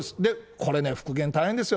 これ、復元大変ですよ。